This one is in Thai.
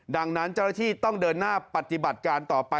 ดังนั้นเจ้าหน้าที่ต้องเดินหน้าปฏิบัติการต่อไป